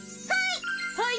はい！